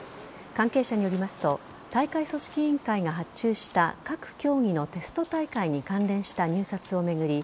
関係者によりますと大会組織委員会が発注した各競技のテスト大会に関連した入札を巡り